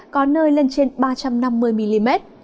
có nơi lên trên ba trăm năm mươi mm